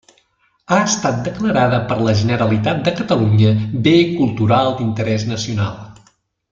Ha estat declarada per la Generalitat de Catalunya bé cultural d'interès nacional.